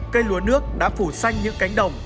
cây lúa nước đã phủ xanh những cánh đồng